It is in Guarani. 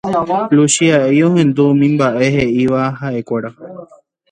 Luchia'i ohendu umi mba'e he'íva ha'ekuéra